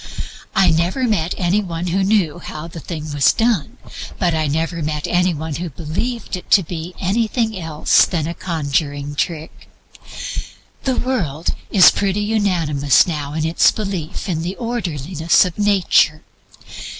I never met any one who knew how the thing was done, but I never met any one who believed it to be anything else than a conjuring trick. The world is pretty unanimous now in its belief in the orderliness of Nature.